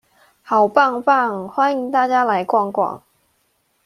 好棒棒，歡迎大家來逛逛